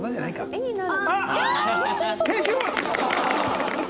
絵になる。